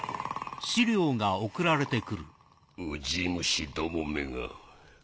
うじ虫どもめが。